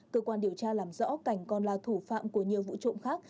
cơ quan điều tra làm rõ cảnh còn là thủ phạm của nhiều vụ trộm khác